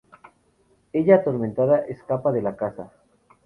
Ella, atormentada, escapa de la casa.